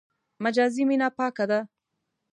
مجازي مینه پاکه ده.